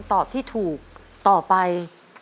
คุณยายแจ้วเลือกตอบจังหวัดนครราชสีมานะครับ